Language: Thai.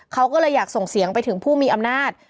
เขาก็เลยอยากส่งเสียงไปถึงผู้มีอำนาจ